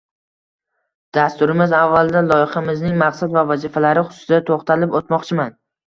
Dasturimiz avvalida loyixamizning maqsad va vazifalari xususida to‘xtalib o‘tmoqchiman.